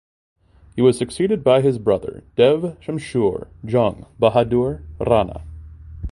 He was succeeded by his brother Dev Shumsher Jung Bahadur Rana.